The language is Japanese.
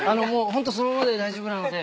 ホントそのままで大丈夫なので。